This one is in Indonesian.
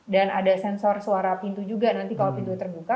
dan ada sensor suara pintu juga nanti kalau pintunya terbuka